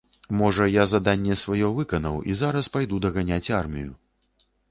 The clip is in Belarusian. Можа, я заданне сваё выканаў і зараз пайду даганяць армію.